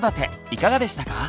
いかがでしたか？